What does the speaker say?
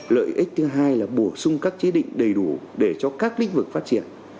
lợi ích thứ hai là bổ sung các chế định đầy đủ để cho các lĩnh vực phát triển